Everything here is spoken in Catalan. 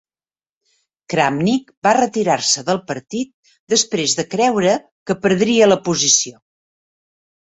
Kramnik va retirar-se del partit després de creure que perdria la posició.